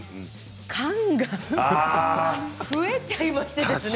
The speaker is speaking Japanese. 缶が増えちゃいましてね。